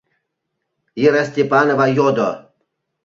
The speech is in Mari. — Ира Степанова йодо.